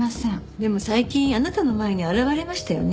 でも最近あなたの前に現れましたよね？